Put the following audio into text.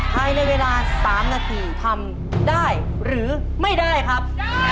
ภายในเวลา๓นาทีทำได้หรือไม่ได้ครับ